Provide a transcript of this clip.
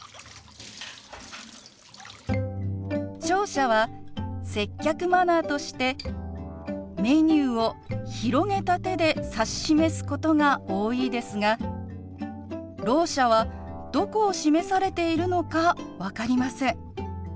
聴者は接客マナーとしてメニューを広げた手で指し示すことが多いですがろう者はどこを示されているのか分かりません。